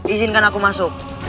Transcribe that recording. izinkan aku masuk